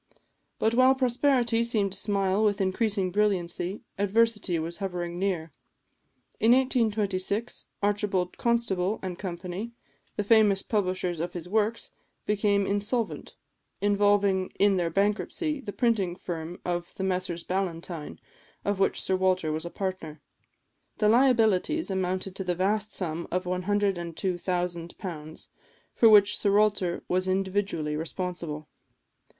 But while prosperity seemed to smile with increasing brilliancy, adversity was hovering near. In 1826, Archibald Constable and Company, the famous publishers of his works, became insolvent, involving in their bankruptcy the printing firm of the Messrs Ballantyne, of which Sir Walter was a partner. The liabilities amounted to the vast sum of £102,000, for which Sir Walter was individually responsible.